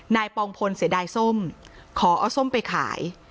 ปองพลเสียดายส้มขอเอาส้มไปขาย